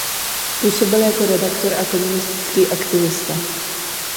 Působil jako redaktor a komunistický aktivista.